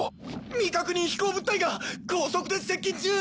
未確認飛行物体が高速で接近中！